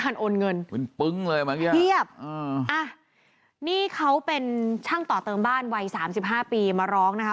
นี่เป็นช่างต่อเติมบ้านวัย๓๕ปีมาร้องนะครับ